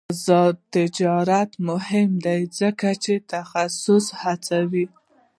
آزاد تجارت مهم دی ځکه چې تخصص هڅوي.